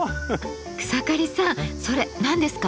草刈さんそれ何ですか？